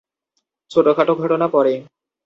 ছোটখাটো ঘটনা পরে।